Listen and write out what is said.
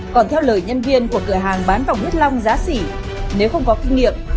còn theo lời nhân viên của cửa hàng bán vòng huyết lòng giá sỉ nếu không có kinh nghiệm